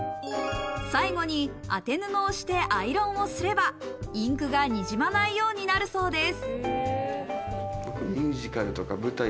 最後に当て布をしてアイロンをすれば、インクがにじまないようになるそうです。